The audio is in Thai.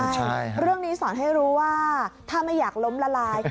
ใช่เรื่องนี้สอนให้รู้ว่าถ้าไม่อยากล้มละลาย